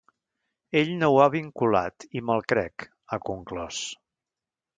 Ell no ho ha vinculat i me’l crec, ha conclòs.